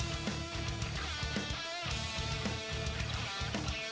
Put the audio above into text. มีความรู้สึกว่า